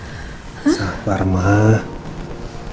bang bebe yek